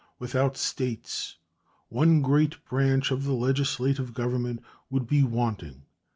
Without States one great branch of the legislative government would be wanting.